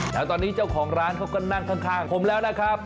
แล้วตอนนี้เจ้าของร้านเขาก็นั่งข้างผมแล้วนะครับ